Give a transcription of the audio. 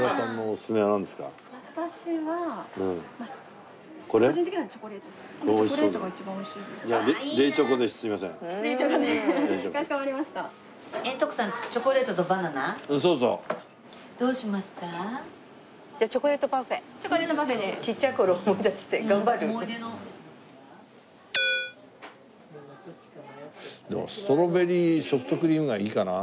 ストロベリーソフトクリームがいいかな。